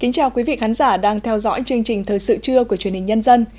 chào mừng quý vị đến với bộ phim thời sự trưa của chuyên hình nhân dân